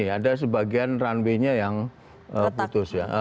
ada sebagian runway nya yang putus ya